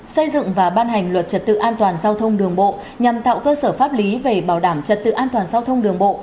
xây dựng và ban hành luật trật tự an toàn giao thông đường bộ nhằm tạo cơ sở pháp lý về bảo đảm trật tự an toàn giao thông đường bộ